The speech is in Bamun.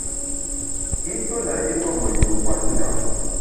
I tuo na i pe me yin kwet njap.